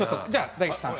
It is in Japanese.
大吉さんは。